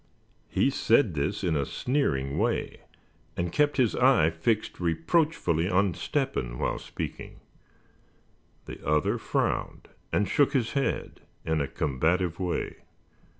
He said this in a sneering way, and kept his eye fixed reproachfully on Step hen while speaking. The other frowned, and shook his head, in a combative way.